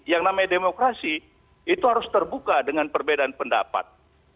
yang namanya demokrasi itu harus terbuka dengan perbedaan pendapat